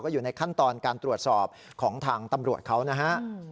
อยู่ในขั้นตอนการตรวจสอบของทางตำรวจเขานะฮะ